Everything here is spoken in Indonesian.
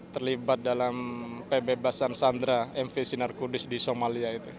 terlibat dalam pembebasan sandera mv sinar kudus di somalia itu